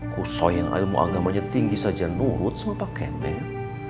kusoi yang ilmu agamanya tinggi saja nurut sama pak kemet